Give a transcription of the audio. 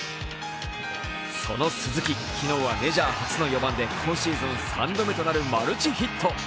その鈴木、昨日はメジャー初の４番で今シーズン３度目となるマルチヒット。